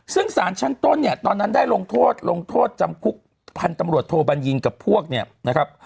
ซึ่งสารชั้นต้นเนี่ยตอนนั้นได้ลงโทษลงโทษจำคุกพันธุ์ตำรวจโทบัญญินกับพวกเนี่ยนะครับ